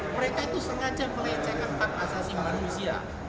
mereka itu sengaja melecehkan empat pasasi manusia